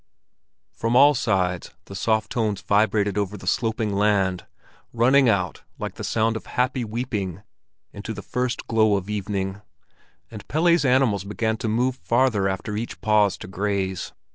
From all sides the soft tones vibrated over the sloping land, running out, like the sound of happy weeping, into the first glow of evening; and Pelle's animals began to move farther after each pause to graze.